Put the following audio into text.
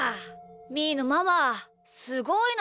みーのママすごいな。